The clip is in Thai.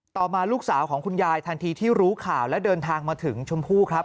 ต่อมาลูกสาวของคุณยายทันทีที่รู้ข่าวและเดินทางมาถึงชมพู่ครับ